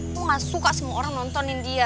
gua ga suka semua orang nontonin dia